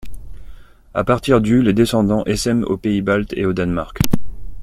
À partir du les descendants essaiment aux pays baltes et au Danemark.